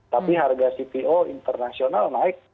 tapi harga cpo internasional naik